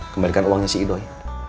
kembalikan uangnya si idoi